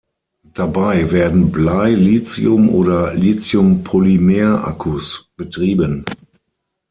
Dabei werden Blei-, Lithium-, oder Lithium Polymer Akkus betrieben.